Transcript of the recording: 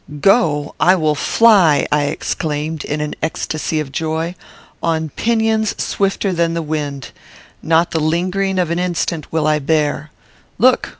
"Go! I will fly!" I exclaimed, in an ecstasy of joy, "on pinions swifter than the wind. Not the lingering of an instant will I bear. Look!